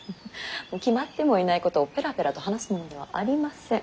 決まってもいないことをペラペラと話すものではありません。